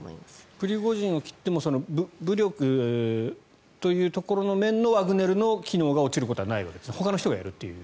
プリゴジンを切っても武力というところの面のワグネルの機能が落ちることはないわけですね。